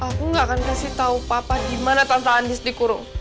aku gak akan kasih tau papa dimana tante andis dikurung